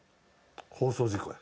「放送事故や」